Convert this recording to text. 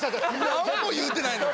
何も言うてないのに。